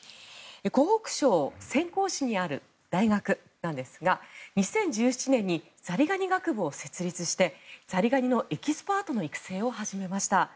湖北省潜江市にある大学なんですが２０１７年にザリガニ学部を設立してザリガニのエキスパートの育成を始めました。